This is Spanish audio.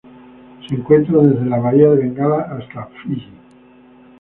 Se encuentra desde la Bahía de Bengala hasta Fiyi.